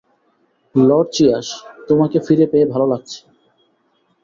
Lord Cheers তোমাকে ফিরে পেয়ে ভালো লাগছে।